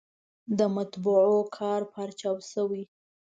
د مطبعو کار پارچاو شي.